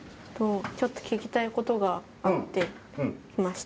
ちょっと聞きたいことがあって来ました。